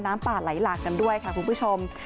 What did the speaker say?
น้ำป่าไหลหลากกันด้วยค่ะคุณผู้ชม